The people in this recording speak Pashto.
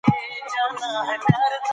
بشر په اثباتي مرحله کي د څه په لټه کي وي؟